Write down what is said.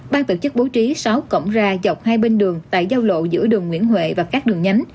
ban tổ chức bố trí sáu cổng ra dọc hai bên đường tại giao lộ giữa đường nguyễn huệ và các đường nhánh